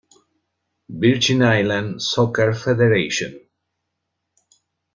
Virgin Islands Soccer Federation.